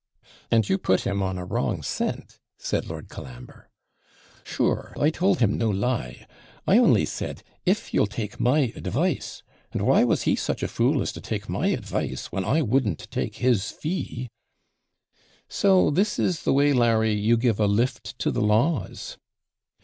'And you put him on a wrong scent!' said Lord Colambre. 'Sure, I told him no lie; I only said, "If you'll take my advice." And why was he such a fool as to take my advice, when I wouldn't take his fee?' 'So this is the way, Larry, you give a lift to the laws!'